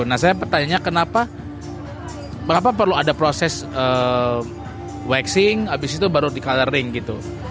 nah saya pertanyaannya kenapa perlu ada proses waxing abis itu baru di collering gitu